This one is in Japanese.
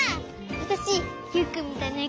わたしユウくんみたいなえ